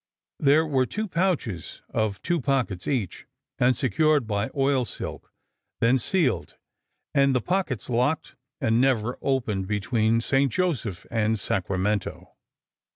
There were two pouches of two pockets each, and secured by oil silk, then sealed, and the pockets locked and never opened between St. Joseph and Sacramento.